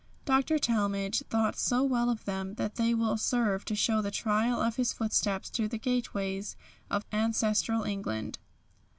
Dr. Talmage thought so well of them that they will serve to show the trail of his footsteps through the gateways of ancestral England.